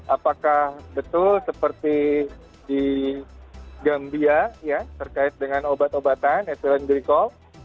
apakah betul seperti di gambia ya terkait dengan obat obatan etilen glikol